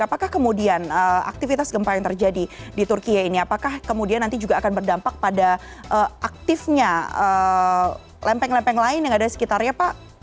apakah kemudian aktivitas gempa yang terjadi di turkiye ini apakah kemudian nanti juga akan berdampak pada aktifnya lempeng lempeng lain yang ada di sekitarnya pak